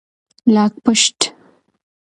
لاکپشت 🐢